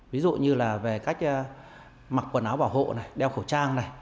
ví dụ như là về cách mặc quần áo bảo hộ đeo khẩu trang